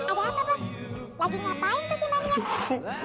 ada apa bok lagi ngapain tuh si maninya